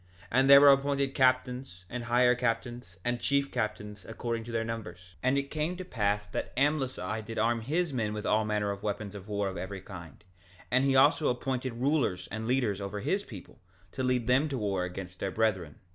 And there were appointed captains, and higher captains, and chief captains, according to their numbers. 2:14 And it came to pass that Amlici did arm his men with all manner of weapons of war of every kind; and he also appointed rulers and leaders over his people, to lead them to war against their brethren.